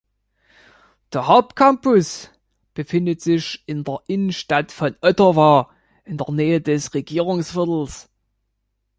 Der Haupt-Campus befindet sich in der Innenstadt von Ottawa, in der Nähe des Regierungsviertels.